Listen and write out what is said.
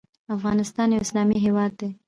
افغانستان یو اسلامي هیواد دی